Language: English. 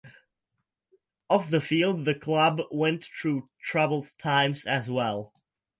Off the field the club went through troubled times as well.